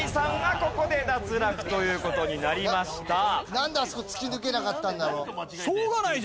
なんであそこ突き抜けなかったんだろう？